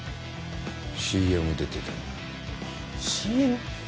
ＣＭ出てたよなＣＭ？